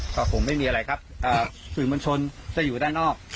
ก็คงไม่มีอะไรครับสื่อมวลชนจะอยู่ด้านนอก